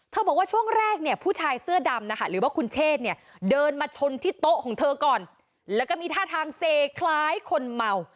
บอกว่าช่วงแรกเนี่ยผู้ชายเสื้อดำนะคะหรือว่าคุณเชษเนี่ยเดินมาชนที่โต๊ะของเธอก่อนแล้วก็มีท่าทางเซคล้ายคนเมา